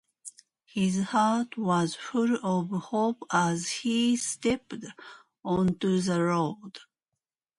His heart was full of hope as he stepped onto the road.